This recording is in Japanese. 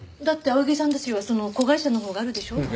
だって青柳さんたちはその子会社のほうがあるでしょ？